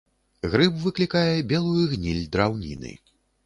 Грыб выклікае белую гніль драўніны.